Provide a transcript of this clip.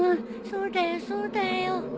そうだよそうだよ。